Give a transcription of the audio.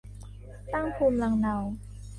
ตั้งภูมิลำเนา